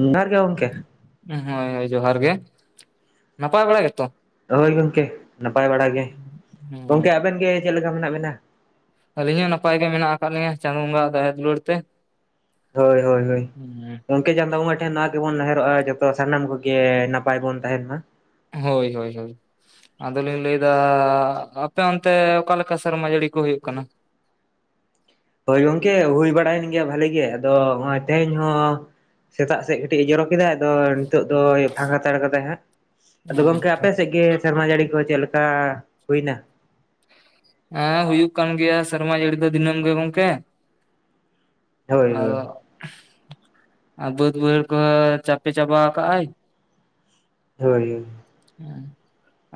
ᱡᱚᱦᱟᱨ ᱜᱮ ᱜᱚᱝᱠᱮ। ᱦᱳᱭ ᱦᱳᱭ ᱡᱚᱦᱟᱨ ᱜᱮ। ᱱᱟᱯᱟᱭ ᱵᱟᱲᱟ ᱜᱮ ᱛᱚ? ᱦᱳᱭ ᱜᱚᱢᱠᱮ ᱱᱟᱯᱟᱭ ᱵᱟᱲᱟ ᱜᱮ। ᱜᱚᱢᱠᱮ ᱦᱩᱸ ᱟᱵᱮᱱ ᱜᱮ ᱪᱮᱫ ᱞᱮᱠᱟ ᱢᱮᱱᱟᱜ ᱵᱮᱱᱟ? ᱟᱹᱞᱤᱧ ᱦᱚᱸ ᱱᱟᱯᱟᱭ ᱜᱮ ᱢᱮᱱᱟᱜ ᱟᱠᱟᱫ ᱞᱤᱧᱟᱹ, ᱪᱟᱸᱫᱳ ᱵᱚᱸᱜᱟ ᱦᱟᱜ ᱫᱟᱭᱟ ᱫᱩᱭᱟᱹᱲ ᱛᱮ। ᱦᱳᱭ ᱦᱳᱭ ᱦᱳᱭ। [inaudible] [unintelligible] ᱪᱟᱸᱫᱟ ᱵᱚᱸᱜᱟ ᱴᱷᱮᱱ ᱱᱚᱣᱟ ᱜᱮᱵᱚᱱ ᱱᱮᱦᱚᱨᱚᱜᱼᱟ ᱡᱚᱛᱚ ᱥᱟᱱᱟᱢ ᱠᱚ ᱜᱮ ᱱᱟᱸᱯᱟᱭ ᱵᱚᱱ ᱛᱟᱸᱦᱮᱱ ᱢᱟ। ᱦᱳᱭ ᱦᱳᱭ ᱦᱳᱭ। ᱟᱫᱚᱞᱤᱧ ᱞᱟᱹᱭ ᱫᱟ, ᱟᱯᱮ ᱚᱱᱛᱮ ᱚᱠᱟ ᱠᱮᱠᱟ ᱥᱮᱨᱢᱟ ᱡᱟᱹᱲᱤ ᱠᱚ ᱦᱩᱭᱩᱜ ᱠᱟᱱᱟ? ᱦᱳᱭ ᱜᱚᱝᱠᱮ, ᱦᱩᱭ ᱵᱟᱲᱟᱭᱮᱱ ᱜᱮᱭᱟ ᱵᱷᱟᱹᱞᱤ ᱜᱮ। ᱟᱫᱚ ᱦᱚᱸᱜᱼᱚᱭ ᱛᱮᱦᱮᱧ ᱦᱚᱸ ᱼᱼ ᱥᱮᱛᱟᱜ ᱥᱮᱫ ᱠᱟᱹᱴᱤᱡᱼ ᱮ ᱡᱚᱨᱚ ᱠᱮᱫᱟᱭ। ᱟᱫᱚ ᱼᱼ ᱱᱤᱛᱚᱜ ᱫᱚᱭ ᱯᱷᱟᱸᱠᱟ ᱦᱟᱛᱟᱲ ᱠᱟᱫᱟᱭ ᱦᱟᱸᱜ। ᱟᱫᱚ ᱜᱚᱝᱠᱮ ᱟᱯᱮ ᱥᱮᱫ ᱜᱮ ᱼᱼ ᱥᱮᱨᱢᱟ ᱡᱟᱹᱲᱤ ᱠᱚ ᱪᱮᱫ ᱞᱮᱠᱟ ᱦᱩᱭᱱᱟ? ᱮᱸ ᱦᱩᱭᱩᱜ ᱠᱟᱱ ᱜᱮᱭᱟ ᱥᱮᱨᱢᱟ ᱡᱟᱹᱲᱤ ᱫᱚ ᱫᱤᱱᱟᱹᱢ ᱜᱮ ᱜᱚᱝᱠᱮ। ᱦᱳᱭ ᱦᱳᱭ ᱟᱫᱚ ᱼᱼ ᱟᱨ ᱵᱟᱹᱫᱽ ᱵᱟᱹᱭᱦᱟᱹᱲ ᱠᱚᱭ ᱪᱟᱯᱮ ᱪᱟᱵᱟ ᱠᱟᱜᱼ ᱟᱭ। ᱦᱳᱭ ᱦᱳᱭ ᱦᱮ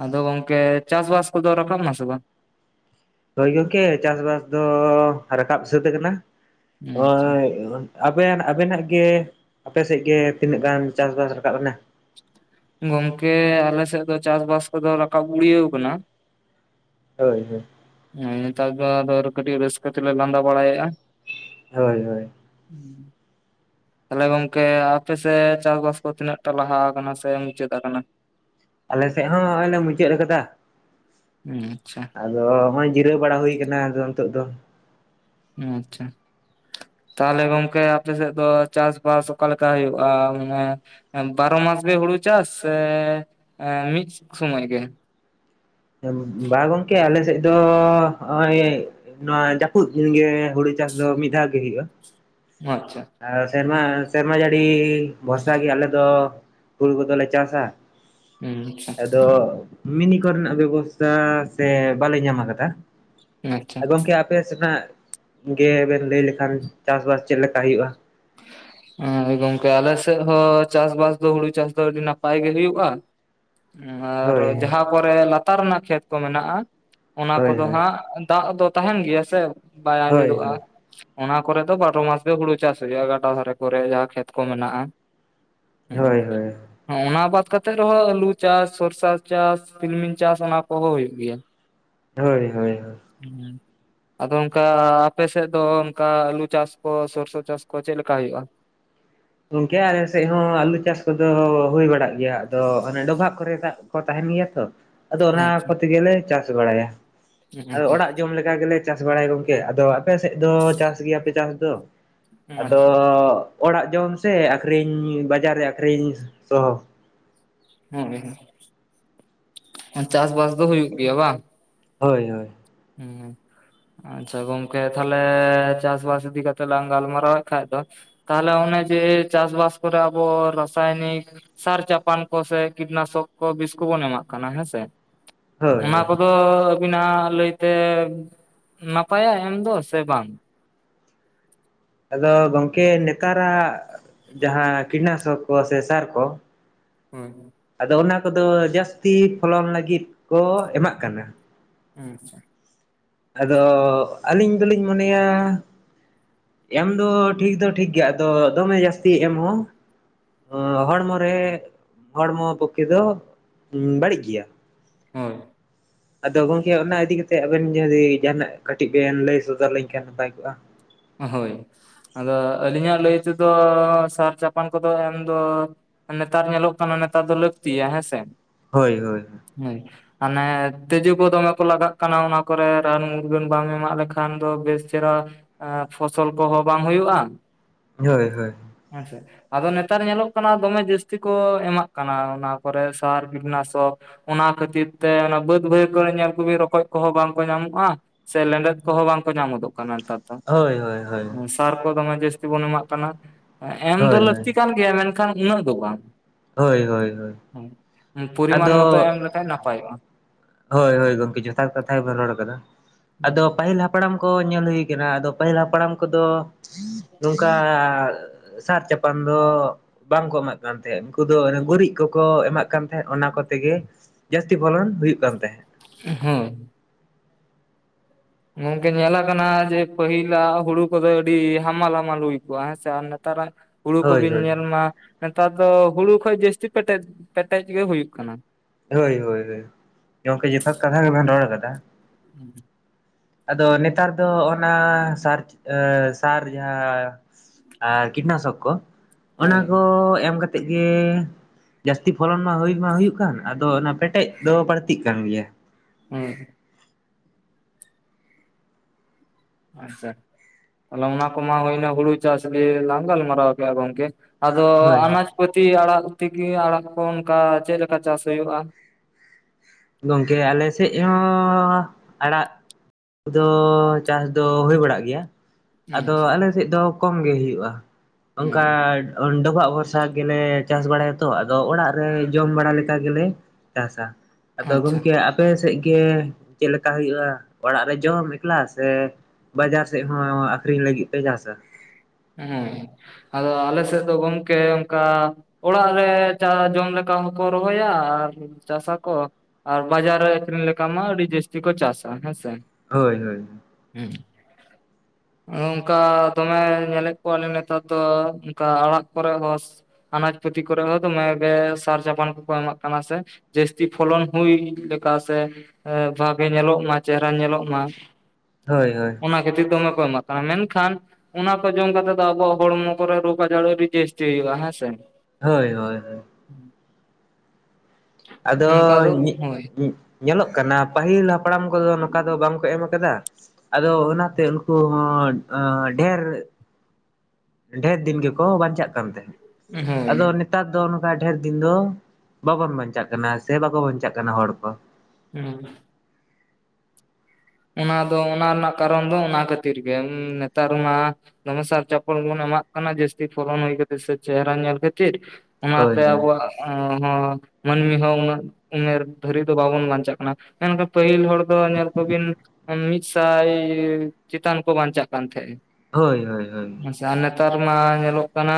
ᱟᱫᱚ ᱜᱚᱝᱠᱮ ᱪᱟᱥᱼᱵᱟᱥ ᱠᱚ ᱫᱚ ᱨᱟᱠᱟᱵ ᱱᱟᱥᱮ ᱵᱟᱝ? ᱦᱳᱭ ᱜᱚᱝᱠᱮ ᱪᱟᱥᱼᱵᱟᱥ ᱫᱚ ᱨᱟᱠᱟᱵ ᱥᱟᱹᱛ ᱟᱠᱟᱱᱟ ᱟᱪᱪᱷᱟ ᱱᱚᱜᱚᱭ ᱟᱵᱮᱱ ᱟᱵᱮᱱᱟᱜ ᱜᱮ ᱟᱯᱮᱥᱮᱫ ᱜᱮ ᱛᱤᱱᱟᱹᱜ ᱜᱟᱱ ᱪᱟᱥᱼᱵᱟᱥ ᱨᱟᱠᱟᱵ ᱮᱱᱟ? ᱜᱚᱢᱠᱮ ᱟᱞᱮ ᱥᱮᱫ ᱫᱚ ᱪᱟᱥᱼᱵᱟᱥ ᱠᱚ ᱫᱚ ᱨᱟᱠᱟᱵ ᱜᱩᱲᱭᱟᱹᱣ ᱠᱟᱱᱟ ᱾ ᱦᱳᱭ ᱦᱳᱭ ᱦᱮᱸ ᱱᱮᱛᱟᱨ ᱫᱚ ᱟᱫᱚ ᱠᱟᱹᱴᱤᱡ ᱨᱟᱹᱥᱠᱟᱹ ᱛᱮᱞᱮ ᱞᱟᱸᱫᱟ ᱵᱟᱲᱟ ᱭᱮᱜᱼᱟ ᱾ ᱦᱳᱭ ᱦᱳᱭ ᱦᱩᱸ ᱛᱟᱞᱦᱮ ᱜᱚᱝᱠᱮ ᱟᱯᱮᱥᱮ ᱪᱟᱥᱵᱟᱥ ᱠᱚ ᱛᱤᱱᱟᱹᱜ ᱴᱟ ᱞᱟᱦᱟ ᱠᱟᱱᱟ ᱥᱮ ᱢᱩᱪᱟᱹᱫ ᱠᱟᱱᱟ? ᱟᱞᱮᱥᱮᱫ ᱦᱚᱸ ᱱᱚᱜᱚᱭ ᱞᱮ ᱢᱩᱪᱟᱹᱫ ᱠᱟᱫᱟ ᱾ ᱦᱩᱸ ᱟᱪᱪᱷᱟ᱾ ᱟᱫᱚ ᱦᱚᱸᱜᱼᱚᱭ ᱡᱤᱨᱟᱹᱣ ᱵᱟᱲᱟ ᱦᱩᱭ ᱠᱟᱱᱟ ᱟᱫᱚ ᱱᱤᱛᱚᱜ ᱫᱚ᱾ ᱦᱩᱸ ᱟᱪᱪᱷᱟ᱾ ᱛᱟᱦᱚᱞᱮ ᱜᱚᱝᱠᱮ ᱟᱯᱮ ᱥᱮᱫ ᱫᱚ ᱪᱟᱥᱵᱟᱥ ᱚᱠᱟᱞᱮᱠᱟ ᱦᱩᱭᱩᱜᱼᱟ ᱢᱟᱱᱮ? ᱮᱸ ᱵᱟᱨᱚ ᱢᱟᱥ ᱜᱮ ᱦᱩᱲᱩ ᱪᱟᱥ ᱥᱮ ᱮᱸ ᱢᱤᱫᱽ ᱥᱚᱢᱚᱡ ᱜᱮ? ᱵᱟ ᱜᱚᱝᱠᱮ ᱟᱞᱮ ᱥᱮᱫ ᱫᱚ ᱦᱚᱸᱜᱼᱚᱭ ᱱᱚᱣᱟ ᱡᱟᱹᱯᱩᱫ ᱫᱤᱱ ᱜᱮ ᱦᱩᱲᱩ ᱪᱟᱥ ᱫᱚ ᱢᱤᱫ ᱫᱷᱟᱣ ᱜᱮ ᱦᱩᱭᱩᱜᱼᱟ᱾ ᱦᱚᱸ ᱟᱪᱪᱷᱟ᱾ ᱟᱨ ᱥᱮᱨᱢᱟ ᱥᱮᱨᱢᱟ ᱡᱟᱹᱲᱤ ᱵᱷᱚᱨᱥᱟ ᱜᱮ ᱟᱞᱮ ᱫᱚ ᱦᱩᱲᱩ ᱠᱚᱫᱚᱞᱮ ᱪᱟᱥᱟ ᱦᱩᱸ ᱟᱪᱪᱷᱟ ᱟᱫᱚ ᱢᱤᱱᱤ ᱠᱚᱨᱮᱱᱟᱜ ᱵᱮᱵᱚᱥᱛᱟ ᱥᱮ ᱵᱟᱞᱮ ᱧᱟᱢ ᱟᱠᱟᱫᱟ ᱟᱪᱪᱷᱟ ᱟᱨ ᱜᱚᱝᱠᱮ ᱟ ᱯᱮ ᱥᱮᱱᱟᱜ ᱜᱮ ᱵᱮᱱ ᱞᱟᱹᱭ ᱞᱮᱠᱷᱟᱱ ᱪᱟᱥᱵᱥ ᱪᱮᱫ ᱞᱮᱠᱟ ᱦᱩᱭᱩᱜᱼᱟ? [inaudible] ᱟᱨ ᱜᱚᱝᱠᱮ ᱟᱞᱮ ᱥᱮᱫ ᱦᱚᱸ ᱪᱟᱥᱵᱟᱥ ᱫᱚ ᱦᱩᱲᱩ ᱪᱟᱥ ᱫᱚ ᱟᱹᱰᱤ ᱱᱟᱯᱟᱭ ᱜᱮ ᱦᱩᱭᱩᱜᱼᱟ᱾ ᱟᱨ ᱦᱳᱭ ᱡᱟᱦᱟᱸ ᱠᱚᱨᱮ ᱞᱟᱛᱟᱨ ᱨᱮᱱᱟᱜ ᱠᱷᱮᱛ ᱠᱚ ᱢᱮᱱᱟᱜᱼᱟ ᱚᱱᱟ ᱦᱳᱭ ᱠᱚᱫᱚ ᱦᱟᱸᱜ ᱫᱟᱜ ᱫᱚ ᱛᱟᱦᱮᱱ ᱜᱮᱭᱟ ᱥᱮ ᱵᱟᱭ ᱦᱳᱭ ᱟᱸᱡᱮᱫᱚᱜᱼᱟ ᱦᱳᱭ ᱚᱱᱟ ᱠᱚᱨᱮ ᱫᱚ ᱵᱟᱨᱚ ᱢᱟᱥ ᱜᱮ ᱦᱩᱲᱩ ᱪᱟᱥ ᱫᱚᱨᱮᱭᱟ ᱜᱟᱰᱟ ᱫᱷᱟᱨᱮ ᱠᱚᱨᱮ ᱡᱟᱦᱟᱸ ᱠᱷᱮᱛ ᱠᱚ ᱢᱮᱱᱟᱜᱼᱟ, ᱦᱳᱭ ᱦᱳᱭ᱾ ᱚᱱᱟ ᱵᱟᱫ ᱠᱟᱛᱮᱫ ᱨᱮᱦᱚᱸ ᱟᱞᱩ ᱪᱟᱥ ᱥᱚᱨᱥᱟ ᱪᱟᱥ ᱛᱤᱞᱢᱤᱧ ᱪᱟᱥ ᱚᱱᱟ ᱠᱚᱦᱚᱸ ᱦᱩᱭᱩᱜ ᱜᱮᱭᱟ᱾ [inaudible] ᱦᱳᱭ ᱦᱳᱭ ᱦᱳᱭ᱾ ᱦᱩᱸ ᱟᱫᱚ ᱚᱱᱠᱟ ᱟᱯᱮ ᱥᱮᱫ ᱫᱚ ᱚᱱᱠᱟ ᱟᱞᱩ ᱪᱟᱥ ᱠᱚ ᱥᱚᱨᱥᱚ ᱪᱟᱥ ᱠᱚ ᱪᱮᱫ ᱞᱮᱠᱟ ᱦᱩᱭᱩᱜᱼᱟ? ᱜᱚᱝᱠᱮ ᱟᱞᱮ ᱥᱮᱫ ᱦᱚᱸ ᱟᱹᱞᱩ ᱪᱟᱥ ᱠᱚᱫᱚ ᱦᱩᱭ ᱵᱟᱲᱟᱜ ᱜᱮᱭᱟ ᱟᱫᱚ ᱚᱱᱮ ᱰᱚᱵᱷᱟᱜ ᱠᱚᱨᱮ ᱫᱟᱜ ᱠᱚ ᱛᱟᱦᱮᱱ ᱜᱮᱭᱟ ᱛᱚ ᱟᱫᱚ ᱚᱱᱟ ᱟᱪᱪᱷᱟ ᱠᱚ ᱛᱮᱜᱮᱞᱮ ᱪᱟᱥ ᱵᱟᱲᱟᱭᱟ ᱟᱫᱚ ᱟᱪᱪᱷᱟ ᱚᱲᱟᱜ ᱡᱚᱢ ᱞᱮ ᱠᱟ ᱜᱮᱞᱮ ᱪᱟᱥ ᱵᱟᱲᱟᱭᱟ ᱜᱚᱝᱠᱮ ᱟᱫᱚ ᱟᱯᱮ ᱥᱮᱫ ᱫᱚ ᱪᱟᱥ ᱜᱮᱭᱟᱯᱮ ᱪᱟᱥ ᱫᱚ? ᱟᱫᱚ ᱟᱪᱪᱷᱟ ᱚᱲᱟᱜ ᱡᱚᱢ ᱥᱮ ᱟᱹᱠᱷᱨᱤᱧ ᱵᱟᱡᱟᱨ ᱨᱮ ᱟᱹᱠᱷᱨᱤᱧ ᱥᱚᱦᱚ? ᱦᱳᱭ ᱦᱳᱭ, ᱪᱟᱥᱵᱟᱥ ᱫᱚ ᱦᱩᱭᱩᱜ ᱜᱮᱭᱟ ᱵᱟᱝ? ᱦᱳᱭ ᱦᱳᱭ᱾ ᱦᱩᱸ᱾ ᱟᱪᱪᱷᱟ ᱜᱚᱝᱠᱮ ᱛᱟᱦᱞᱮ ᱪᱟᱥᱵᱟᱥ ᱤᱫᱤ ᱠᱟᱛᱮᱫ ᱞᱟᱝ ᱜᱟᱞᱢᱟᱨᱟᱣᱮᱫ ᱠᱷᱟᱡ ᱫᱚ, ᱛᱟᱦᱞᱮ ᱚᱱᱮ ᱡᱮ ᱪᱟᱥ ᱵᱟᱥ ᱠᱚᱨᱮ ᱟᱵᱚ ᱨᱟᱥᱟᱭᱱᱤᱠ ᱥᱟᱨ ᱪᱟᱯᱟᱱ ᱠᱚ ᱥᱮ ᱠᱤᱴᱱᱟᱥᱚᱠ ᱠᱚ ᱵᱤᱥ ᱠᱚᱵᱚᱱ ᱮᱢᱟᱜ ᱠᱟᱱᱟ, ᱦᱮᱸᱥᱮ? ᱦᱳᱭ ᱚᱱᱟ ᱦᱳᱭ ᱠᱚᱫᱚ ᱟᱹᱵᱤᱱᱟᱜ ᱞᱟᱹᱭ ᱛᱮ ᱱᱟᱯᱟᱭᱟ ᱮᱢ ᱫᱚ ᱥᱮ ᱵᱟᱝ? ᱟᱫᱚ ᱜᱚᱝᱠᱮ ᱱᱮᱛᱟᱨᱟᱜ ᱡᱟᱦᱟᱸ ᱠᱤᱴᱱᱟᱥᱚᱠ ᱠᱚ ᱥᱮ ᱥᱟᱨ ᱠᱚ, ᱦᱳᱭ᱾ ᱟᱫᱚ ᱚᱱᱟ ᱠᱚᱫᱚ ᱡᱟᱹᱥᱛᱤ ᱯᱷᱚᱞᱚᱱ ᱞᱟᱹᱜᱤᱫ ᱠᱚ ᱮᱢᱟᱜ ᱠᱟᱱᱟ᱾ ᱦᱩᱸ ᱟᱪᱪᱷᱟ᱾ ᱟᱫᱚ ᱟᱹᱞᱤᱧ ᱫᱚᱞᱤᱧ ᱢᱚᱱᱮᱭᱟ ᱮᱢ ᱫᱚ ᱴᱷᱤᱠ ᱫᱚ ᱴᱷᱤᱠ ᱜᱮᱭᱟ ᱟᱫᱚ ᱫᱚᱢᱮ ᱡᱟᱹᱥᱛᱤ ᱮᱢ ᱦᱚᱸ ᱚᱸ ᱦᱚᱲᱢᱚ ᱨᱮ ᱦᱚᱲᱢᱚ ᱯᱚᱠᱠᱷᱮ ᱫᱚ ᱩᱸ ᱵᱟᱹᱲᱤᱡ ᱜᱮᱭᱟ᱾ ᱦᱳᱭ᱾ ᱟᱫᱚ ᱜᱚᱝᱠᱮ ᱚᱱᱟ ᱤᱫᱤ ᱠᱟᱛᱮᱫ ᱟᱵᱮᱱ ᱡᱩᱫᱤ ᱡᱟᱦᱟᱱᱟᱜ ᱠᱟᱹᱴᱤᱡ ᱵᱮᱱ ᱞᱟᱹᱭ ᱥᱚᱫᱚᱨ ᱟᱞᱤᱧ ᱠᱷᱟᱱ ᱱᱟᱯᱟᱭ ᱠᱚᱜ-ᱟ᱾ ᱦᱳᱭ ᱟᱫᱚ ᱟᱹᱞᱤᱧᱟᱜ ᱞᱟᱹᱭ ᱛᱮᱫᱚ ᱥᱟᱨ ᱪᱟᱯᱟᱱ ᱠᱚᱫᱚ ᱮᱢᱫᱚ ᱱᱮᱛᱟᱨ ᱧᱮᱞᱚᱜ ᱠᱟᱱᱟ ᱱᱮᱛᱟᱨ ᱫᱚ ᱞᱟᱹᱠᱛᱤᱭᱟ ᱦᱮᱸᱥᱮ ᱾ ᱦᱳᱭ ᱦᱳᱭ ᱾ ᱦᱩᱸ ᱾ ᱦᱟᱱᱮ ᱛᱮᱡᱩ ᱠᱚ ᱫᱚᱢᱮ ᱠᱚ ᱞᱟᱜᱟᱜ ᱠᱟᱱᱟ, ᱚᱱᱟ ᱠᱚᱨᱮ ᱨᱟᱱ ᱢᱩᱨᱜᱟᱹᱱ ᱵᱟᱢ ᱮᱢᱟᱜ ᱞᱮᱠᱷᱟᱱ ᱫᱚ ᱵᱮᱥ ᱪᱮᱦᱨᱟᱼᱼ ᱯᱷᱚᱥᱚᱞ ᱠᱚᱦᱚᱸ ᱵᱟᱝ ᱦᱩᱭᱩᱜ-ᱟ ᱾ ᱦᱚᱭ ᱦᱚᱭ ᱾ ᱦᱮᱸ ᱥᱮ ᱾ ᱟᱫᱚ ᱱᱮᱛᱟᱨ ᱧᱮᱞᱚᱜ ᱠᱟᱱᱟ ᱫᱚᱢᱮ ᱡᱟᱹᱥᱛᱤ ᱠᱚ ᱮᱢᱟᱜ ᱠᱟᱱᱟ ᱚᱱᱟ ᱠᱚᱨᱮ ᱥᱟᱨ ᱵᱤᱴᱱᱟᱥᱚᱠ ᱾ ᱚᱱᱟ ᱠᱷᱟᱹᱛᱤᱨ ᱛᱮ ᱚᱱᱟ ᱵᱟᱹᱫᱽ ᱵᱟᱹᱭᱦᱟᱹᱲ ᱠᱚᱨᱮ ᱧᱮᱞ ᱠᱚᱵᱤᱱ ᱨᱚᱠᱚᱡ ᱠᱚᱦᱚᱸ ᱵᱟᱝ ᱠᱚ ᱧᱟᱢᱚᱜ-ᱟ ᱾ ᱥᱮ ᱞᱮᱸᱰᱮᱫ ᱠᱚᱦᱚᱸ ᱵᱟᱝᱠᱚ ᱧᱟᱢᱚᱫᱚᱜ ᱠᱟᱱᱟ ᱱᱮᱛᱟᱨ ᱱᱮᱛᱟᱨ ᱫᱚ ᱾ ᱦᱚᱭ ᱦᱚᱭ ᱦᱚᱭ ᱾ ᱥᱟᱨ ᱠᱚ ᱫᱚᱢᱮ ᱡᱟᱹᱥᱛᱤ ᱵᱚᱱ ᱮᱢᱟᱜ ᱠᱟᱱᱟ ᱾ ᱮᱢ ᱫᱚ ᱦᱳᱭ ᱞᱟᱹᱠᱛᱤ ᱠᱟᱱ ᱜᱮᱭᱟ ᱢᱮᱱᱠᱷᱟᱱ ᱩᱱᱟᱹᱜ ᱫᱚ ᱵᱟᱝ ᱾ ᱦᱳᱭ ᱦᱳᱭ ᱦᱳᱭ ᱾ ᱯᱚᱨᱤᱢᱟᱱ ᱢᱚᱛᱚ ᱮᱢ ᱞᱮᱠᱷᱟ ᱱᱟᱯᱟᱭᱚᱜ-ᱟ ᱾ ᱦᱳᱭ ᱦᱳᱭ ᱜᱚᱢᱠᱮ ᱡᱚᱛᱷᱟᱛ ᱠᱟᱛᱷᱟ ᱜᱮᱵᱚᱱ ᱨᱚᱲ ᱠᱟᱫᱟ ᱾ ᱟᱫᱚ ᱯᱟᱹᱦᱤᱞ ᱦᱟᱯᱼᱼ ᱦᱟᱯᱲᱟᱢ ᱠᱚ ᱧᱮᱞ ᱦᱩᱭ ᱠᱟᱱᱟ ᱟᱫᱚ ᱯᱟᱹᱦᱤᱞ ᱦᱟᱯᱲᱟᱢ ᱠᱚᱫᱚ ᱱᱚᱝᱠᱟᱼᱼ ᱥᱟᱨ ᱪᱟᱯᱟᱱ ᱫᱚ ᱵᱟᱝᱠᱚ ᱮᱢᱟᱜ ᱠᱟᱱ ᱛᱟᱦᱮᱸᱫ ᱾ ᱩᱱᱠᱩ ᱫᱚ ᱜᱩᱨᱤᱡ ᱠᱚᱠᱚ ᱮᱢᱟᱜᱼᱼ ᱠᱟᱱ ᱛᱟᱦᱮᱸᱜ ᱚᱱᱟ ᱠᱚᱛᱮ ᱜᱮ ᱡᱟᱹᱥᱛᱤ ᱯᱷᱚᱞᱚᱱ ᱦᱩᱭᱩᱜ ᱠᱟᱱ ᱛᱟᱦᱮᱸᱫ ᱾ ᱦᱚᱸ ᱜᱚᱝᱠᱮ ᱧᱮᱞ ᱟᱠᱟᱱᱟ ᱡᱮ ᱯᱟᱹᱦᱤᱞᱟᱜ ᱦᱩᱲᱩ ᱠᱚᱫᱚ ᱟᱹᱰᱤ ᱦᱟᱢᱟᱞ ᱦᱟᱢᱟᱞ ᱦᱩᱭ ᱠᱚᱜ-ᱟ ᱦᱮᱸᱥᱮ, ᱟᱨ ᱱᱮᱛᱟᱨ ᱟᱜᱼᱼ ᱦᱩᱲᱩ ᱦᱳᱭ ᱠᱚᱵᱤᱱ ᱦᱳᱭ ᱧᱮᱞ ᱢᱟ ᱱᱮᱛᱟᱨ ᱫᱚ ᱦᱩᱲᱩ ᱠᱷᱚᱡ ᱡᱟᱹᱥᱛᱤ ᱯᱮᱴᱮᱡ, ᱯᱮᱴᱮᱡ ᱜᱮ ᱦᱩᱭᱩᱜ ᱠᱟᱱᱟ ᱾ ᱦᱳᱭ ᱦᱳᱭ ᱜᱚᱢᱠᱮ ᱡᱚᱛᱷᱟᱛ ᱠᱟᱛᱷᱟ ᱜᱮ ᱵᱮᱱ ᱨᱚᱲ ᱠᱟᱫᱟ ᱾ ᱦᱩᱸ [unintelligible] ᱟᱫᱚ ᱱᱮᱛᱟᱨ ᱫᱚ ᱚᱱᱟ ᱥᱟᱨ ᱥᱟᱨ ᱡᱟᱦᱟᱸᱼᱼ ᱟᱨ ᱠᱤᱴᱱᱟᱥᱚᱠ ᱠᱚᱼᱼ ᱚᱱᱟ ᱦᱳᱭ ᱠᱚ ᱮᱢ ᱠᱟᱛᱮᱫ ᱜᱮ ᱡᱟᱹᱥᱛᱤ ᱯᱷᱚᱞᱚᱱ ᱢᱟ ᱦᱩᱭ ᱢᱟ ᱦᱩᱭᱩᱜ ᱠᱟᱱ ᱾ ᱟᱫᱚ ᱚᱱᱟ ᱯᱮᱴᱮᱡ ᱫᱚ ᱵᱟᱹᱲᱛᱤᱜ ᱠᱟᱱ ᱜᱮᱭᱟ ᱾ ᱦᱩᱸ ᱾ ᱟᱪᱪᱷᱟ, ᱚᱱᱟ ᱠᱚᱢᱟ ᱦᱩᱭᱱᱟ ᱦᱩᱲᱩ ᱪᱟᱥ ᱜᱮ ᱞᱟᱝ ᱜᱟᱞᱢᱟᱨᱟᱣ ᱠᱮᱫ-ᱟ ᱜᱚᱝᱠᱮ ᱾ ᱟᱫᱚ ᱦᱳᱭ ᱟᱱᱟᱡ ᱯᱟᱹᱛᱤ ᱟᱲᱟᱜ ᱛᱮᱜᱮ ᱟᱲᱟᱜ ᱠᱚ ᱚᱱᱠᱟ ᱪᱮᱫ ᱞᱮᱠᱟ ᱪᱟᱥ ᱦᱩᱭᱩᱜ-ᱟ? ᱜᱚᱝᱠᱮ ᱟᱞᱮ ᱥᱮᱫ ᱦᱚᱸ ᱟᱲᱟᱜᱼᱼ ᱩᱱᱠᱩ ᱫᱚ ᱪᱟᱥ ᱫᱚ ᱦᱩᱭ ᱵᱟᱲᱟᱜ ᱜᱮᱭᱟ ᱾ ᱟᱫᱚ ᱟᱪᱪᱷᱟ ᱟᱞᱮ ᱥᱮᱫ ᱫᱚ ᱠᱚᱢ ᱜᱮ ᱦᱩᱭᱩᱜ-ᱟ ᱾ ᱚᱱᱠᱟᱼᱼ ᱦᱮᱸ ᱚᱰᱚᱵᱟᱜ ᱵᱷᱚᱨᱥᱟ ᱜᱮᱞᱮ ᱪᱟᱥ ᱵᱟᱲᱟᱭᱟ ᱛᱚ, ᱟᱫᱚ ᱚᱲᱟᱜ ᱨᱮ ᱡᱚᱢ ᱵᱟᱲᱟ ᱞᱮᱠᱟ ᱜᱮᱞᱮᱼᱼ ᱪᱟᱥᱟ ᱾ ᱟᱫᱚ ᱟᱪᱪᱷᱟ ᱜᱚᱢᱠᱮ ᱟᱯᱼᱼ ᱟᱯᱮ ᱥᱮᱫ ᱜᱮ ᱪᱮᱫ ᱞᱮᱠᱟ ᱦᱩᱭᱩᱜ-ᱟ ᱾ ᱚᱲᱟᱜ ᱨᱮ ᱡᱚᱢ ᱮᱠᱞᱟ ᱥᱮᱼᱼ ᱵᱟᱡᱟᱨ ᱥᱮᱫ ᱦᱚᱸ ᱟᱠᱷᱨᱤᱧ ᱞᱟᱹᱜᱤᱫ ᱯᱮ ᱪᱟᱥᱟ ᱾ ᱦᱮᱸ ᱟᱫᱚ ᱟᱞᱮ ᱥᱮᱫ ᱫᱚ ᱜᱚᱝᱠᱮ ᱚᱱᱠᱟᱼᱼ ᱚᱲᱟᱜ ᱨᱮ ᱪᱟ ᱡᱚᱢ ᱞᱮᱠᱟ ᱦᱚᱸ ᱠᱚ ᱨᱚᱦᱚᱭᱟ, ᱟᱨ ᱪᱟᱥᱟ ᱠᱚ ᱾ ᱟᱨ ᱵᱟᱡᱟᱨ ᱨᱮ ᱟᱹᱠᱷᱨᱤᱧ ᱞᱮᱠᱟ ᱢᱟ ᱟᱹᱰᱤ ᱡᱟᱹᱥᱛᱤ ᱠᱚ ᱪᱟᱥᱟ ᱦᱮᱸᱥᱮ ᱾ ᱦᱳᱭ ᱦᱳᱭ ᱾ ᱩᱸ ᱚᱱᱠᱟ ᱫᱚᱢᱮᱼᱼ ᱧᱮᱞᱮᱫ ᱠᱚᱣᱟᱞᱮ ᱱᱮᱛᱟᱨ ᱫᱚ ᱚᱱᱠᱟ ᱟᱲᱟᱜ ᱠᱚᱨᱮ ᱦᱚᱥᱼᱼ ᱟᱱᱟᱡ ᱯᱩᱛᱤ ᱠᱚᱨᱮ ᱦᱚᱸ ᱫᱚᱢᱮ ᱜᱮ ᱥᱟᱨ ᱪᱟᱯᱟᱱ ᱠᱚᱠᱚ ᱮᱢᱟᱜ ᱠᱟᱱᱟ ᱥᱮ ᱾ ᱡᱟᱹᱥᱛᱤ ᱯᱷᱚᱞᱚᱱ ᱦᱩᱭ ᱞᱮᱠᱟ ᱥᱮ ᱾ ᱮ ᱵᱷᱟᱜᱮ ᱧᱮᱞᱚᱜ ᱢᱟ ᱪᱮᱦᱨᱟ ᱧᱮᱞᱚᱜ ᱢᱟ ᱾ ᱦᱳᱭ ᱦᱳᱭ ᱾ ᱚᱱᱟ ᱠᱷᱟᱹᱛᱤᱨ ᱫᱚᱢᱮ ᱠᱚ ᱮᱢᱟᱜ ᱠᱟᱱᱟ, ᱢᱮᱱᱠᱷᱟᱱ ᱚᱱᱟ ᱠᱚ ᱡᱚᱢ ᱠᱟᱛᱮᱫ ᱫᱚ ᱟᱵᱚᱣᱟᱜ ᱦᱚᱲᱢᱚ ᱠᱚᱨᱮ ᱨᱳᱜ ᱟᱡᱟᱨ ᱟᱰᱤ ᱡᱟᱥᱛᱤ ᱦᱳᱭᱳᱜᱼᱟ ᱦᱮᱸ ᱥᱮ ᱾ ᱦᱳᱭ ᱦᱳᱭ ᱦᱳᱭ ᱾ [inaudible] ᱟᱫᱚ ᱚᱱᱠᱟ ᱫᱚ ᱦᱳᱭ [inaudible] ᱧᱮᱞᱚᱜ ᱠᱟᱱᱟ ᱯᱟᱹᱦᱤᱞ ᱦᱟᱯᱲᱟᱢ ᱠᱚᱫᱚ ᱱᱚᱠᱟ ᱫᱚ ᱵᱟᱝ ᱠᱚ ᱮᱢ ᱟᱠᱟᱫᱟ ᱾ ᱟᱫᱚ ᱚᱱᱟᱛᱮ ᱩᱱᱠᱩ ᱦᱚᱸ ᱚᱸ ᱰᱷᱮᱨ ᱰᱷᱮᱨ ᱫᱤᱱ ᱜᱮᱠᱚ ᱵᱟᱧᱪᱟᱜ ᱠᱟᱱ ᱛᱟᱦᱮᱸᱫ, ᱦᱳᱭ ᱟᱫᱚ ᱱᱤᱛ ᱛᱟᱨ ᱫᱚ ᱱᱚᱝᱠᱟ ᱰᱷᱮᱨ ᱫᱤᱱ ᱫᱚ ᱵᱟᱵᱚᱱ ᱵᱟᱧᱪᱟᱜ ᱠᱟᱱᱟ ᱥᱮ ᱵᱟᱠᱚ ᱵᱟᱧᱪᱟᱜ ᱠᱟᱱᱟ ᱦᱚᱲ ᱠᱚ ᱾ ᱦᱩᱸ ᱾ ᱚᱱᱟ ᱫᱚ ᱚᱱᱟ ᱨᱮᱱᱟᱜ ᱠᱟᱨᱚᱱ ᱫᱚ ᱚᱱᱟ ᱠᱷᱟᱹᱛᱤᱨ ᱜᱮ, ᱱᱮᱛᱟᱨ ᱢᱟ ᱫᱚᱢᱮ ᱥᱟᱨ ᱪᱟᱯᱚᱞ ᱵᱚᱱ ᱮᱢᱟᱜ ᱠᱟᱱᱟ ᱡᱟᱹᱥᱛᱤ ᱯᱷᱚᱞᱚᱱ ᱦᱩᱭ ᱠᱷᱟᱹᱛᱤᱨ ᱥᱮ ᱪᱮᱦᱨᱟ ᱧᱮᱞ ᱠᱷᱟᱹᱛᱤᱨ ᱾ ᱦᱳᱭ ᱚᱱᱟᱛᱮ ᱦᱳᱭ ᱟᱵᱚᱣᱟᱜ ᱦᱚᱸ ᱢᱟᱹᱱᱢᱤ ᱦᱚᱸ ᱩᱱᱟᱹᱜ ᱩᱢᱮᱨ ᱫᱷᱟᱹᱨᱤᱡ ᱫᱚ ᱵᱟᱵᱚᱱ ᱵᱟᱧᱪᱟᱜ ᱠᱟᱱᱟ, ᱢᱮᱱᱠᱷᱟᱱ ᱯᱟᱹᱦᱤᱞ ᱦᱚᱲ ᱫᱚ ᱧᱮᱞ ᱠᱚᱵᱤᱱ ᱢᱤᱫᱥᱟᱭ ᱪᱮᱛᱟᱱ ᱠᱚ ᱵᱟᱧᱪᱟᱜ ᱠᱟᱱ ᱛᱟᱦᱮᱸᱜ ᱾ ᱦᱳᱭ ᱦᱳᱭ ᱦᱳᱭ ᱾ ᱟ ᱱᱮᱛᱟᱨ ᱢᱟ ᱧᱮᱞᱚᱜ ᱠᱟᱱᱟ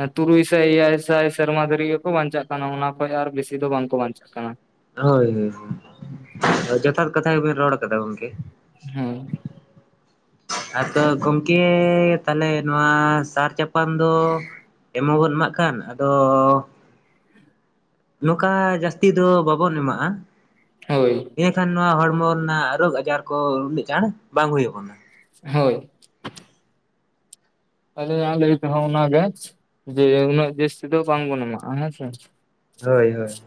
ᱮ ᱛᱩᱨᱩᱭ ᱥᱟᱭ ᱮᱭᱟᱭ ᱥᱟᱭ ᱥᱮᱨᱢᱟ ᱫᱷᱟᱹᱨᱤᱡ ᱜᱮᱠᱚ ᱵᱟᱧᱪᱟᱜ ᱠᱟᱱᱟ, ᱚᱱᱟ ᱠᱷᱚᱡ ᱟᱨ ᱵᱮᱥᱤ ᱫᱚ ᱵᱟᱝᱠᱚ ᱵᱟᱧᱪᱟᱜ ᱠᱟᱱᱟ ᱾ ᱦᱳᱭ, ᱦᱳᱭ, ᱡᱚᱛᱷᱟᱛ ᱠᱟᱛᱷᱟ ᱜᱮᱵᱤᱱ ᱨᱚᱲ ᱠᱟᱫᱟ ᱜᱚᱝᱠᱮ ᱾ ᱦᱮᱸ ᱟᱫᱚ ᱜᱚᱢᱠᱮ ᱛᱟᱦᱚᱞᱮ ᱱᱚᱣᱟ ᱥᱟᱨ ᱪᱟᱯᱟᱱ ᱫᱚ ᱮᱢ ᱦᱚᱵᱚᱱ ᱮᱢᱟᱜ ᱠᱟᱱ, ᱟᱫᱚᱻ ᱱᱚᱠᱟ ᱡᱟᱹᱥᱛᱤ ᱫᱚ ᱵᱟᱵᱚᱱ ᱮᱢᱟᱜᱼᱟ ᱾ ᱦᱳᱭ ᱾ ᱤᱱᱟᱹᱠᱷᱟᱱ ᱱᱚᱣᱟ ᱦᱚᱲᱢᱚ ᱨᱮᱱᱟᱜ ᱨᱳᱜᱽ ᱟᱡᱟᱨ ᱠᱚ ᱩᱱᱟᱹᱜ ᱪᱟᱬ ᱵᱟᱝ ᱦᱳᱭᱳᱜ ᱛᱟᱵᱚᱱᱟ ᱾ ᱦᱳᱭ ᱾ ᱟᱞᱤᱧᱟᱜ ᱞᱟᱹᱭ ᱛᱮᱦᱚ ᱚᱱᱟ ᱜᱮ ᱡᱮ ᱩᱱᱟᱹᱜ ᱡᱟᱹᱥᱛᱤ ᱫᱚ ᱵᱟᱝᱵᱚᱱ ᱮᱢᱟᱜᱼᱟ ᱦᱮᱸᱥᱮ ᱾ ᱦᱳᱭ ᱦᱳᱭ ᱾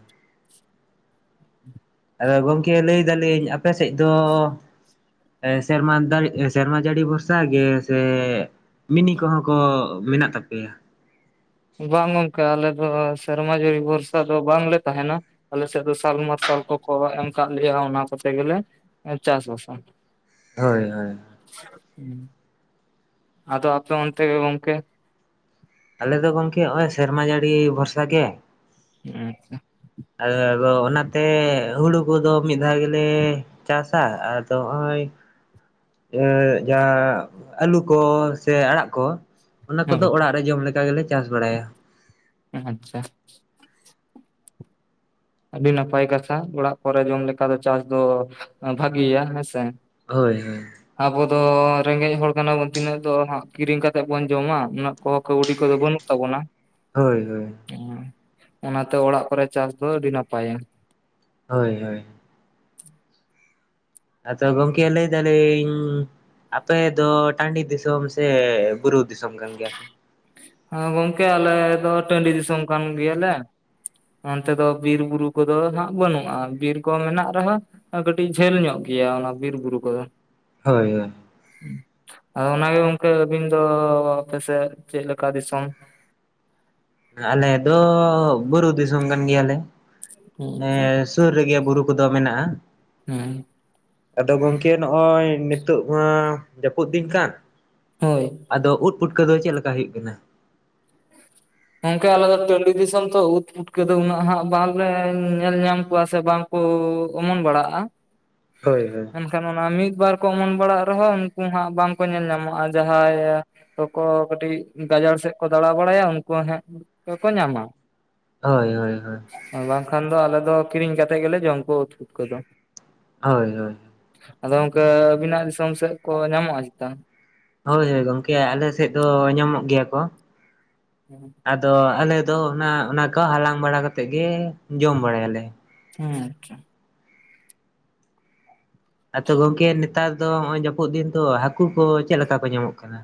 ᱟᱫᱚ ᱜᱚᱝᱠᱮ ᱞᱟᱹᱭ ᱫᱟᱞᱤᱧ ᱟᱯᱮ ᱥᱮᱫ ᱫᱚ ᱮ ᱥᱮᱨᱢᱟ ᱫᱟᱹᱲᱤ ᱥᱮᱨᱢᱟ ᱡᱟᱹᱲᱤ ᱵᱷᱚᱨᱥᱟ ᱜᱮ, ᱥᱮ ᱢᱤᱱᱤ ᱠᱚᱦᱚᱸ ᱠᱚ ᱢᱮᱱᱟᱜ ᱛᱟᱯᱮᱭᱟ? ᱵᱟᱝ ᱜᱚᱝᱠᱮ ᱟᱞᱮ ᱫᱚ ᱥᱮᱨᱢᱟ ᱡᱟᱹᱲᱤ ᱵᱷᱚᱨᱥᱟ ᱫᱚ ᱵᱟᱝᱞᱮ ᱛᱟᱦᱮᱱᱟ ᱾ ᱟᱞᱮ ᱥᱮᱫ ᱫᱚ ᱥᱟᱞ ᱢᱟᱨᱥᱟᱞ ᱠᱚᱠᱚ ᱮᱢ ᱟᱠᱟᱫ ᱞᱮᱭᱟ ᱚᱱᱟ ᱠᱚᱛᱮ ᱜᱮᱞᱮ ᱮ ᱪᱟᱥ ᱵᱟᱥᱟ ᱾ ᱦᱳᱭ ᱦᱳᱭ ᱾ ᱟᱫᱚ ᱟᱯᱮ ᱚᱱᱛᱮ ᱜᱮ ᱜᱚᱢᱠᱮ? ᱟᱞᱮ ᱫᱚ ᱜᱚᱝᱠᱮ ᱦᱚᱜᱼᱚᱭ ᱥᱮᱨᱢᱟ ᱡᱟᱹᱲᱤ ᱵᱷᱚᱨᱥᱟ ᱜᱮ ᱾ ᱟᱪᱪᱷᱟ ᱾ ᱟᱫᱚ ᱟᱫᱚ ᱚᱱᱟᱛᱮ ᱦᱩᱲᱩ ᱠᱚᱫᱚ ᱢᱤᱫ ᱫᱷᱟᱣ ᱜᱮᱞᱮ ᱪᱟᱥᱟ, ᱟᱫᱚ ᱦᱚᱜᱼᱚᱭ [inaudible] ᱡᱟᱦᱟ ᱟᱹᱞᱩ ᱠᱚ ᱥᱮ ᱟᱲᱟᱜ ᱠᱚ ᱚᱱᱟ ᱠᱚᱫᱚ ᱦᱳᱭ ᱚᱲᱟᱜ ᱨᱮ ᱡᱚᱢ ᱞᱮᱠᱟ ᱜᱮᱞᱮ ᱪᱟᱥ ᱵᱟᱲᱟᱭᱟ ᱾ ᱟᱪᱪᱷᱟ ᱾ ᱟᱹᱰᱤ ᱱᱟᱯᱟᱭ ᱠᱟᱛᱷᱟ ᱚᱲᱟᱜ ᱠᱚᱨᱮ ᱡᱚᱢ ᱞᱮᱠᱟ ᱫᱚ ᱪᱟᱥ ᱫᱚ ᱵᱷᱟᱜᱮᱭᱟ ᱦᱮᱸᱥᱮ ᱾ ᱦᱳᱭ ᱦᱳᱭ ᱾ ᱟᱵᱚ ᱫᱚ ᱨᱮᱸᱜᱮᱡ ᱦᱚᱲ ᱠᱟᱱᱟ ᱵᱚᱱ ᱛᱤᱱᱟᱹᱜ ᱫᱚ ᱦᱟᱸᱜ ᱠᱤᱨᱤᱧ ᱠᱟᱛᱮᱜ ᱵᱚᱱ ᱡᱚᱢᱟ ᱩᱱᱟᱹᱜ ᱠᱚᱦᱚᱸ ᱠᱟᱣᱰᱤ ᱠᱚᱫᱚ ᱵᱟᱹᱱᱩᱜ ᱛᱟᱵᱚᱱᱟ ᱾ ᱦᱳᱭ ᱦᱳᱭ ᱾ ᱦᱩᱸ ᱚᱱᱟᱛᱮ ᱚᱲᱟᱜ ᱠᱚᱨᱮ ᱪᱟᱥ ᱫᱚ ᱟᱹᱰᱤ ᱱᱟᱯᱟᱭᱟ ᱾ ᱦᱳᱭ ᱦᱳᱭ ᱾ ᱟᱫᱚ ᱜᱚᱢᱠᱮ ᱞᱟᱹᱭ ᱫᱟᱞᱤᱧ ᱟᱯᱮ ᱫᱚ ᱴᱟᱺᱰᱤ ᱫᱤᱥᱚᱢ ᱥᱮ ᱵᱩᱨᱩ ᱫᱤᱥᱚᱢ ᱠᱟᱱ ᱜᱮᱭᱟ ᱯᱮ? ᱦᱮ ᱜᱚᱢᱠᱮ ᱟᱞᱮ ᱫᱚ ᱴᱟᱺᱰᱤ ᱫᱤᱥᱚᱢ ᱠᱟᱱ ᱜᱮᱭᱟᱞᱮ ᱾ ᱚᱱᱛᱮ ᱫᱚ ᱵᱤᱨ ᱵᱩᱨᱩ ᱠᱚᱫᱚ ᱦᱟᱸᱜ ᱵᱟᱹᱱᱩᱜ-ᱟ ᱵᱤᱨ ᱠᱚ ᱢᱮᱱᱟᱜ ᱨᱮᱦᱚᱸ ᱠᱟᱹᱴᱤᱡ ᱡᱷᱟᱹᱞ ᱧᱚᱜ ᱜᱮᱭᱟ ᱚᱱᱟ ᱵᱤᱨ ᱵᱩᱨᱩ ᱠᱚᱫᱚ ᱾ ᱦᱳᱭ ᱦᱳᱭ ᱾ ᱟᱫᱚ ᱚᱱᱟ ᱜᱮ ᱜᱚᱢᱠᱮ ᱟᱹᱵᱤᱱ ᱫᱚ ᱟᱯᱮ ᱥᱮᱫ ᱪᱮᱫ ᱞᱮᱠᱟ ᱫᱤᱥᱚᱢ? ᱟᱞᱮ ᱫᱚ ᱵᱩᱨᱩ ᱫᱤᱥᱚᱢ ᱠᱟᱱ ᱜᱮᱭᱟᱞᱮ ᱮᱸ ᱥᱩᱨ ᱨᱮᱜᱮ ᱵᱩᱨᱩ ᱠᱚᱫᱚ ᱢᱮᱱᱟᱜ-ᱟ ᱾ ᱦᱩᱸ ᱾ ᱟᱫᱚ ᱜᱚᱢᱠᱮ ᱱᱚᱜᱼᱚᱭ ᱱᱤᱛᱳᱜ ᱢᱟ ᱡᱟᱹᱯᱩᱫ ᱫᱤᱧ ᱠᱟᱱ ᱦᱳᱭ ᱾ ᱟᱫᱚ ᱩᱫ ᱯᱩᱴᱠᱟᱹ ᱫᱚ ᱪᱮᱫ ᱞᱮᱠᱟ ᱦᱩᱭᱩᱜ ᱠᱟᱱᱟ? ᱜᱚᱢᱠᱮ ᱟᱞᱮ ᱫᱚ ᱴᱟᱺᱰᱤ ᱫᱤᱥᱚᱢ ᱛᱚ ᱩᱫ ᱯᱩᱴᱠᱟᱹ ᱫᱚ ᱩᱱᱟᱹᱜ ᱦᱟᱜ ᱵᱟᱝᱞᱮ ᱧᱮᱞ ᱧᱟᱢ ᱠᱚᱣᱟ ᱥᱮ ᱵᱟᱝ ᱠᱩ ᱚᱢᱚᱱ ᱵᱟᱲᱟᱜ-ᱟ ᱾ ᱦᱳᱭ ᱦᱳᱭ ᱾ ᱢᱮᱱᱠᱷᱟᱱ ᱚᱱᱟ ᱢᱤᱫ ᱵᱟᱨ ᱠᱚ ᱚᱢᱚᱱ ᱵᱟᱲᱟᱜ ᱨᱮᱦᱚᱸ ᱩᱱᱠᱩ ᱦᱟᱸᱜ ᱵᱟᱝᱠᱚ ᱧᱮᱞ ᱧᱟᱢᱚᱜ-ᱟ ᱡᱟᱦᱟᱭ ᱠᱚᱠᱚ ᱠᱟᱹᱴᱤᱡ ᱜᱟᱡᱟᱲ ᱥᱮᱫ ᱠᱚ ᱫᱟᱬᱟ ᱵᱟᱲᱟᱭᱟ ᱩᱱᱠᱩ ᱦᱟᱸᱜ ᱠᱚ ᱧᱟᱢᱟ ᱾ ᱦᱳᱭ ᱦᱳᱭ ᱦᱳᱭ ᱾ ᱵᱟᱝᱠᱷᱟᱱ ᱫᱚ ᱟᱞᱮ ᱫᱚ ᱠᱤᱨᱤᱧ ᱠᱟᱛᱮ ᱜᱮᱞᱮ ᱡᱚᱢ ᱠᱚ ᱩᱫ ᱯᱩᱴᱠᱟᱹ ᱫᱚ ᱾ ᱦᱳᱭ ᱦᱳᱭ ᱾ ᱟᱫᱚ ᱚᱱᱠᱟ ᱟᱵᱤᱱᱟᱜ ᱫᱤᱥᱚᱢ ᱥᱮᱫ ᱠᱚ ᱧᱟᱢᱚᱜ-ᱟ ᱪᱮᱛᱟ? ᱦᱳᱭ ᱦᱳᱭ ᱜᱚᱢᱠᱮ ᱟᱞᱮ ᱥᱮᱫ ᱫᱚ ᱧᱟᱢᱚᱜ ᱜᱮᱭᱟ ᱠᱚ ᱾ ᱦᱮᱸ ᱾ ᱟᱫᱚ ᱟᱞᱮ ᱫᱚ ᱚᱱᱟ ᱚᱱᱟ ᱠᱚ ᱦᱟᱞᱟᱝ ᱵᱟᱲᱟ ᱠᱟ ᱠᱟᱛᱮ ᱜᱮ ᱡᱚᱢ ᱵᱟᱲᱟᱭᱟᱞᱮ ᱾ ᱦᱮᱸ ᱟᱪᱪᱷᱟ ᱾ ᱟᱫᱚ ᱜᱚᱝᱠᱮ ᱱᱮᱛᱟᱨ ᱫᱚ ᱦᱚᱜᱚᱭ ᱡᱟᱹᱯᱩᱫ ᱫᱤᱱ ᱫᱚ ᱦᱟᱹᱠᱩ ᱠᱚ ᱪᱮᱫ ᱞᱮᱠᱟ ᱠᱚ ᱧᱟᱢᱚᱜ ᱠᱟᱱᱟ?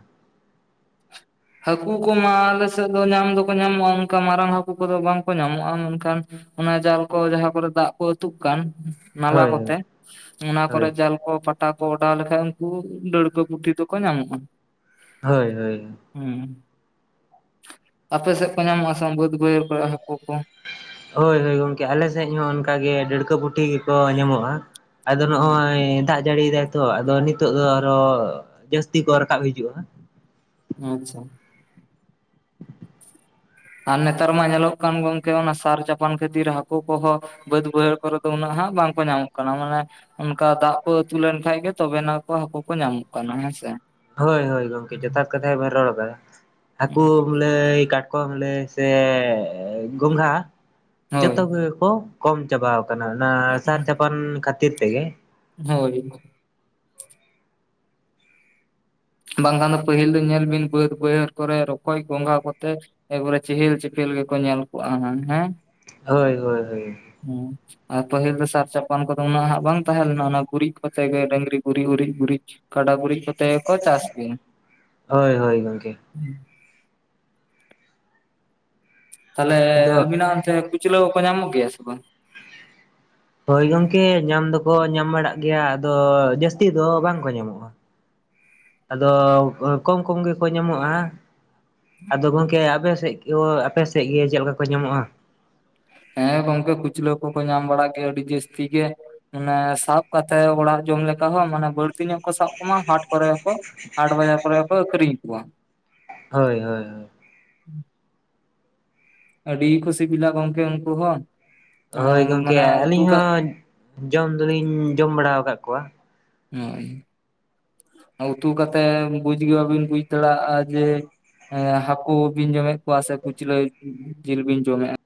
ᱦᱟᱹᱠᱩ ᱠᱚᱢᱟ ᱟᱞᱮᱥᱮᱫ ᱫᱚ ᱧᱟᱢ ᱫᱚᱠᱚ ᱧᱟᱢᱚᱜᱼᱟ ᱚᱱᱠᱟ ᱢᱟᱨᱟᱝ ᱦᱟᱹᱠᱩ ᱠᱚᱫᱚ ᱵᱟᱝᱠᱚ ᱧᱟᱢᱚᱜᱼᱟ ᱢᱮᱱᱠᱷᱟᱱ ᱚᱱᱟ ᱡᱟᱞ ᱠᱚ ᱡᱟᱦᱟᱸ ᱠᱚᱨᱮ ᱫᱟᱜ ᱠᱚ ᱟᱹᱛᱩᱜ ᱠᱟᱱ ᱱᱟᱞᱟ ᱦᱳᱭ ᱦᱳᱭ ᱠᱚᱛᱮ ᱚᱱᱟ ᱦᱳᱭ ᱠᱚᱨᱮ ᱡᱟᱞ ᱠᱚ ᱯᱟ ᱴᱟ ᱠᱚ ᱚᱰᱟᱣ ᱞᱮᱠᱷᱟᱡ ᱩᱱᱠᱩ ᱰᱟᱹᱲᱠᱟᱹ ᱯᱩᱴᱷᱤ ᱫᱚᱠᱚ ᱧᱟᱢᱚᱜ-ᱟ ᱾ ᱦᱳᱭ ᱦᱳᱭ ᱾ ᱦᱩᱸ ᱟᱯᱮ ᱥᱮᱫ ᱠᱚ ᱧᱟᱢᱚᱜ-ᱟ ᱥᱮ ᱵᱟᱝ ᱵᱟᱹᱫᱽ ᱵᱟᱹᱭᱦᱟᱹᱲ ᱠᱚᱨᱮ ᱦᱟᱹᱠᱩ ᱠᱚ? ᱦᱳᱭ ᱦᱳᱭ ᱜᱚᱢᱠᱮ ᱟᱞᱮ ᱥᱮᱫ ᱦᱚᱸ ᱚᱱᱠᱟᱜᱮ ᱰᱟᱹᱲᱠᱟᱹ ᱯᱩᱴᱷᱤ ᱜᱮᱠᱚ ᱧᱟᱢᱚᱜ-ᱟ ᱾ ᱟᱫᱚ ᱱᱚᱜᱚᱭ ᱫᱟᱜ ᱡᱟᱹᱲᱤᱭ ᱮᱫᱟᱭ ᱛᱚ ᱟᱫᱚ ᱱᱤᱛᱚᱜ ᱫᱚ ᱟᱨᱚ ᱡᱟᱹᱥᱛᱤ ᱠᱚ ᱨᱟᱠᱟᱵ ᱦᱤᱡᱩᱜ-ᱟ ᱾ ᱟᱪᱪᱷᱟ ᱾ ᱟᱨ ᱱᱮᱛᱟᱨ ᱢᱟ ᱧᱮᱞᱚᱜ ᱠᱟᱱ ᱜᱚᱢᱠᱮ ᱚᱱᱟ ᱥᱟᱨ ᱪᱟᱯᱟᱱ ᱠᱷᱟᱹᱛᱤᱨ ᱦᱟᱠᱳ ᱠᱚᱸᱦᱚᱸ ᱵᱟᱹᱫ ᱵᱟᱹᱭᱦᱟᱹᱲ ᱠᱚᱨᱮ ᱫᱚ ᱩᱱᱟᱹᱜ ᱦᱟᱸᱜ ᱵᱟᱝᱠᱚ ᱧᱟᱢᱚᱜ ᱠᱟᱱᱟ ᱢᱟᱱᱮ ᱚᱱᱠᱟ ᱫᱟᱜ ᱠᱚ ᱟᱹᱛᱩ ᱞᱮᱱᱠᱷᱟᱡ ᱜᱮ ᱛᱚᱵᱮᱱᱟ ᱠᱚ ᱦᱟᱹᱠᱩ ᱠᱚ ᱧᱟᱢᱚᱜ ᱠᱟᱱᱟ ᱦᱮᱸᱥᱮ ᱾ ᱦᱳᱭ ᱦᱳᱭ ᱜᱚᱝᱠᱮ ᱡᱚᱛᱷᱟᱛ ᱠᱟᱛᱷᱟ ᱜᱮᱵᱤᱱ ᱨᱚᱲᱫᱟ, ᱦᱟᱠᱩ ᱞᱟᱹᱭ ᱠᱟᱴᱠᱚᱢ ᱞᱟᱹᱭ ᱥᱮ ᱜᱚᱝᱜᱷᱟ ᱦᱳᱭ ᱡᱚᱛᱚ ᱜᱮ ᱠᱚ ᱠᱚᱢ ᱪᱟᱵᱟᱟᱣ ᱠᱟᱱᱟ, ᱚᱱᱟ ᱥᱟᱨ ᱪᱟᱯᱟᱱ ᱠᱷᱟᱹᱛᱤᱨ ᱛᱮᱜᱮ ᱾ ᱦᱳᱭ ᱾ ᱵᱟᱝᱠᱷᱟᱱ ᱫᱚ ᱯᱟᱹᱦᱤᱞ ᱫᱚ ᱧᱮᱞ ᱵᱤᱱ ᱵᱟᱹᱫ ᱵᱟᱹᱭᱦᱟᱹᱨ ᱠᱚᱨᱮ ᱨᱚᱠᱚᱡ ᱜᱚᱝᱜᱷᱟ ᱠᱚᱛᱮ ᱮᱠᱚᱵᱟᱨᱮ ᱪᱮᱦᱮᱞ ᱼ ᱪᱮᱯᱮᱞ ᱜᱮᱠᱚ ᱧᱮᱞ ᱠᱚᱜᱼᱟ ᱦᱟᱸᱜ ᱦᱮᱸ! ᱦᱳᱭ ᱦᱳᱭ ᱦᱳᱭ ᱾ ᱦᱩᱸ ᱾ ᱟᱨ ᱯᱟᱹᱦᱤᱞ ᱫᱚ ᱥᱟᱨ ᱪᱟᱯᱟᱱ ᱠᱚᱫᱚ ᱩᱱᱟᱹᱜ ᱦᱟᱜ ᱵᱟᱝ ᱛᱟᱦᱮᱸ ᱞᱮᱱᱟ ᱚᱱᱟ ᱜᱩᱨᱤᱡ ᱠᱚᱛᱮ ᱜᱮ ᱰᱟᱹᱝᱨᱤ ᱜᱩᱨᱤ, ᱩᱨᱤᱡ ᱜᱩᱨᱤᱡ, ᱠᱟᱰᱟ ᱜᱩᱲᱤᱡ ᱠᱚᱛᱮ ᱜᱮᱠᱚ ᱪᱟᱥ ᱜᱮᱭᱟ ᱾ ᱦᱳᱭ ᱦᱳᱭ ᱜᱚᱝᱠᱮ ᱾ [inaudible] ᱛᱟᱦᱚᱞᱮ ᱟᱫᱚ ᱟᱵᱤᱱᱟᱜ ᱚᱱᱛᱮ ᱠᱩᱪᱞᱟᱹ ᱠᱚᱠᱚ ᱧᱟᱢᱚᱜ ᱜᱮᱭᱟ ᱥᱮ ᱵᱟᱝ? ᱦᱳᱭ ᱜᱚᱝᱠᱮ ᱧᱟᱢ ᱫᱚᱠᱚ ᱧᱟᱢ ᱵᱟᱲᱟᱜ ᱜᱮᱭᱟ ᱟᱫᱚ ᱡᱟᱹᱥᱛᱤ ᱫᱚ ᱵᱟᱝ ᱠᱚ ᱧᱟᱢᱚᱜᱼᱟ᱾ ᱟᱫᱚ ᱠᱚᱢ ᱠᱚᱢ ᱜᱮᱠᱚ ᱧᱟᱢᱚᱜᱼᱟ᱾ ᱟᱫᱚ ᱜᱚᱝᱠᱮ ᱟᱯᱮ ᱥᱮᱫ ᱠᱚ ᱟᱯᱮ ᱥᱮᱫ ᱜᱮ ᱪᱮᱫᱠᱟ ᱠᱚ ᱧᱟᱢᱚᱜᱼᱟ? ᱦᱮᱸ ᱜᱚᱝᱠᱮ ᱠᱩᱪᱞᱟᱹ ᱠᱚᱠᱚ ᱧᱟᱢ ᱵᱟᱲᱟᱜ ᱜᱮᱭᱟ ᱟᱹᱰᱤ ᱡᱟᱹᱥᱛᱤ ᱜᱮ᱾ ᱢᱟᱱᱮ ᱥᱟᱵ ᱠᱟᱛᱮᱜ ᱚᱲᱟᱜ ᱡᱚᱢ ᱞᱮᱠᱟ ᱦᱚᱸ ᱢᱟᱱᱮ ᱵᱟᱹᱲᱛᱤ ᱧᱚᱜ ᱠᱚ ᱥᱟᱵ ᱠᱚᱢᱟ ᱦᱟᱴ ᱠᱚᱨᱮ ᱦᱚᱸ ᱠᱚ ᱦᱟᱴ ᱵᱟᱡᱟᱨ ᱠᱚᱨᱮ ᱠᱚ ᱟᱹᱠᱷᱨᱤᱧ ᱠᱚᱣᱟ᱾ ᱦᱳᱭ ᱦᱳᱭ ᱾ ᱟᱹᱰᱤ ᱠᱚ ᱥᱤᱵᱤᱞᱟ ᱜᱚᱝᱠᱮ ᱩᱱᱠᱩ ᱦᱚᱸ ᱾ ᱦᱳᱭ ᱜᱚᱝᱠᱮ ᱟᱹᱞᱤᱧ ᱦᱚᱸ ᱡᱚᱢ ᱫᱚᱞᱤᱧ ᱡᱚᱢ ᱵᱟᱲᱟᱣ ᱠᱟᱜ ᱠᱚᱣᱟ᱾ ᱦᱳᱭ, ᱩᱛᱩ ᱠᱟᱛᱮ ᱵᱩᱡᱽ ᱜᱮ ᱵᱟᱹᱵᱤᱱ ᱵᱩᱡ ᱫᱟᱲᱮᱭᱟᱜᱼᱟ ᱡᱮ ᱮᱸ ᱦᱟᱠᱳ ᱵᱤᱱ ᱡᱚᱢᱮᱜ ᱠᱚᱣᱟ ᱥᱮ ᱠᱩᱪᱞᱟᱹ ᱡᱤᱞ ᱵᱤᱱ ᱡᱚᱢᱮᱜᱼᱟ?